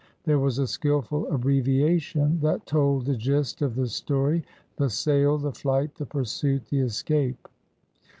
There was a skilful abbreviation that told the gist of the story — the sale, the flight, the pursuit, the escape.